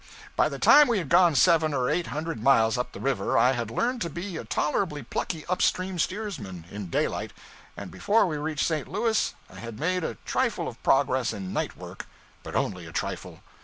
By the time we had gone seven or eight hundred miles up the river, I had learned to be a tolerably plucky up stream steersman, in daylight, and before we reached St. Louis I had made a trifle of progress in night work, but only a trifle.